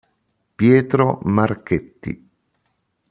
Pietro Marchetti